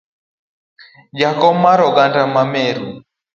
Jakom mar oganda ma Meru,